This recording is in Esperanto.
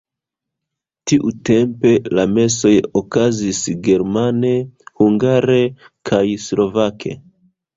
Tiutempe le mesoj okazis germane, hungare kaj slovake.